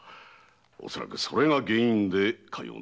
恐らくそれが原因で。